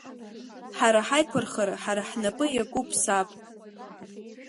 Ҳара ҳаиқәырхара ҳара ҳнапы иакуп, саб…